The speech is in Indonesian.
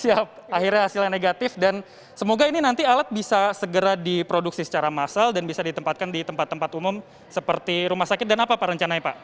akhirnya hasilnya negatif dan semoga ini nanti alat bisa segera diproduksi secara massal dan bisa ditempatkan di tempat tempat umum seperti rumah sakit dan apa pak rencananya pak